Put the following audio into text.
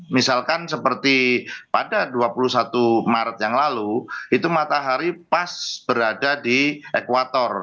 misalkan seperti pada dua puluh satu maret yang lalu itu matahari pas berada di ekuator